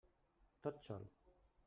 Tot sol.